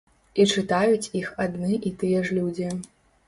І чытаюць іх адны і тыя ж людзі.